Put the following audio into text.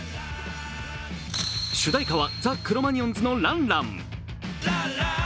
主題歌はザ・クロマニヨンズの「ランラン」。